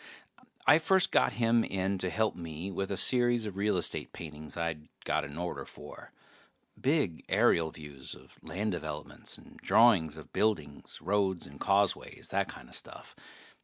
I first got him in to help me with a series of real estate paintings I'd got an order for. Big aerial views of land developments, and drawings of buildings, roads and causeways, that kinda stuff.